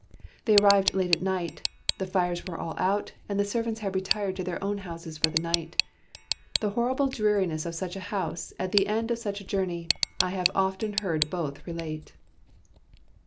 They arrived late at night, the fires were all out, and the servants had retired to their own houses for the night. The horrible dreariness of such a house, at the end of such a journey, I have often heard both relate."